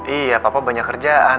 iya papa banyak kerjaan